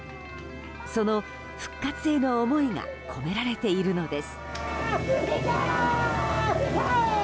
その復活への思いが込められているのです。